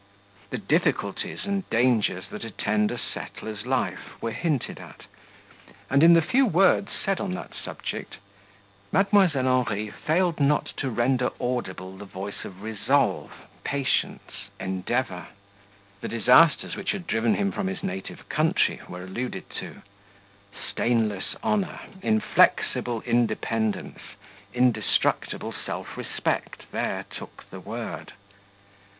The difficulties and dangers that attend a settler's life, were hinted at; and in the few words said on that subject, Mdlle. Henri failed not to render audible the voice of resolve, patience, endeavour. The disasters which had driven him from his native country were alluded to; stainless honour, inflexible independence, indestructible self respect there took the word.